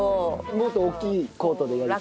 もっと大きいコートでやりたい？